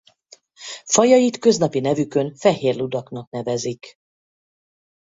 Fajait köznapi nevükön fehér ludaknak nevezik.